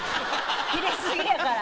切れ過ぎやから。